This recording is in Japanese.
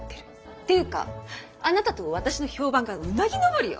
っていうかあなたと私の評判がうなぎ登りよ。